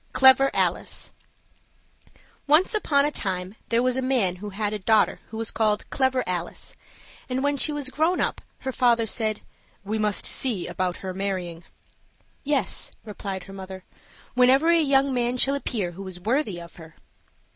CLEVER ALICE ONCE upon a time there was a man who had a daughter who was called "Clever Alice," and when she was grown up, her father said, "We must see about her marrying." "Yes," replied her mother, "whenever a young man shall appear who is worthy of her."